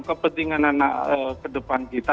kepentingan anak kedepan kita